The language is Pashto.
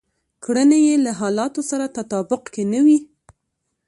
کړنې يې له حالتونو سره تطابق کې نه وي.